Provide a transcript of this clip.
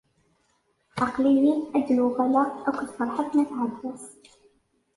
Aql-iyi-n ad n-uɣaleɣ akked Ferḥat n At Ɛebbas.